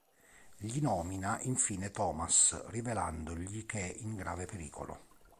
Gli nomina infine Thomas, rivelandogli che è in grave pericolo.